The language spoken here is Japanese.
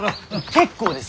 結構です！